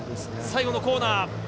最後のコーナー。